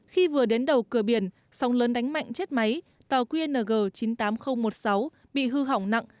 khi vừa đến đầu cửa biển sóng lớn đánh mạnh chết máy tàu qng chín mươi tám nghìn một mươi sáu bị hư hỏng nặng